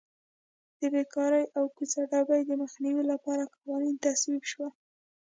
د بېکارۍ او کوڅه ډبۍ د مخنیوي لپاره قوانین تصویب شول.